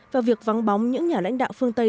và việc vắng bóng những nhà lãnh đạo phương tây